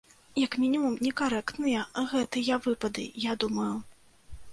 Як мінімум, некарэктныя гэтыя выпады, я думаю.